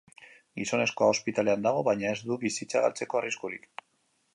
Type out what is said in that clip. Gizonezkoa ospitalean dago baina ez du bizitza galtzeko arriskurik.